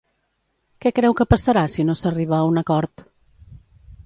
Què creu que passarà si no s'arriba a un acord?